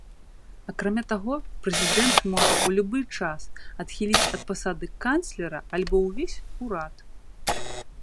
Акрамя таго, прэзідэнт можа ў любы час адхіліць ад пасады канцлера альбо ўвесь урад.